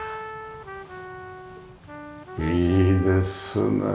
いいですねえ。